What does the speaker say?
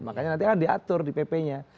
makanya nanti akan diatur di pp nya